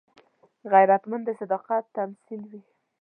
غیرتمند د صداقت تمثیل وي